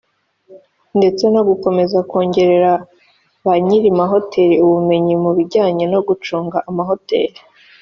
ndetse no gukomeza kongerera ba nyiri amahoteli ubumenyi mu bijyanye no gucunga amahoteli